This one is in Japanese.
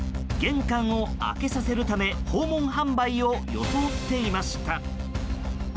玄関を開けさせるため訪問販売を装っていました。